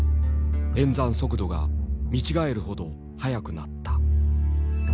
演算速度が見違えるほど速くなった。